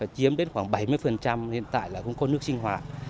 chiếm đến khoảng bảy mươi hiện tại là không có nước sinh hoạt